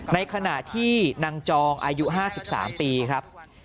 ในขณะที่นางจองอายุ๕๓ปีครับ